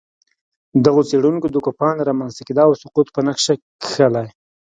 دغو څېړونکو د کوپان رامنځته کېدا او سقوط په نقشه کښلي